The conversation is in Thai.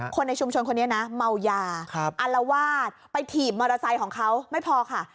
คนในชุมชนคนนี้นะเมายาอารวาสไปถีบมอเตอร์ไซค์ของเขาไม่พอค่ะ